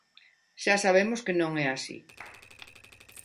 Xa sabemos que non é así.